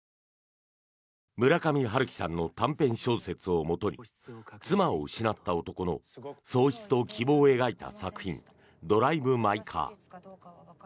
村上春樹さんの短編小説をもとに妻を失った男の喪失と希望を描いた作品「ドライブ・マイ・カー」。